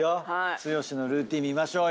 剛のルーティン見ましょうよ。